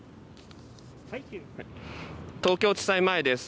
東京地裁前です。